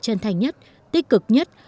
trân thành nhất tích cực nhất